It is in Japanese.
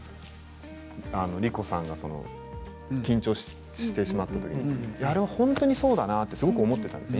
莉子さんが緊張してしまったときにあれは本当にそうだなとすごく思ってたんですね